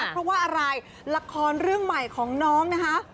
เพราะว่าอะไรละครเรื่องใหม่ของน้องนะคะ